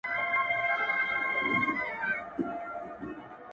انسانه واه واه نو، قتل و قتال دي وکړ